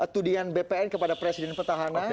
tudian bpn kepada presiden petahana